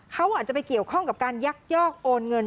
เขาอาจจะไปเกี่ยวข้องกับการยักยอกโอนเงิน